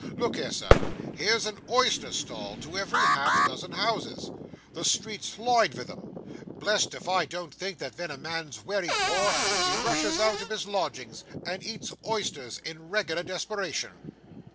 Look here, sir; here's a oyster stall to every half dozen houses. The street's lined vith 'em. Blessed if I don't think that ven a man's wery poor, he rushes out of his lodgings, and eats oysters in reg'lar desperation.